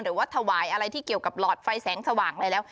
หรือว่าถวายอะไรที่เกี่ยวกับหลอดไฟแสงสว่างอะไรแล้ว